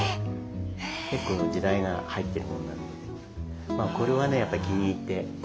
結構時代が入ってるものなんでこれはねやっぱ気に入って。